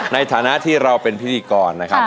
ในฐานะที่เราเป็นพิธีกรนะครับ